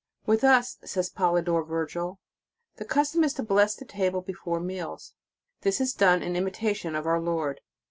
"With us," says Polydore Vergil, "the custom is to bless the table before meals; this is done in imitation of our Lord.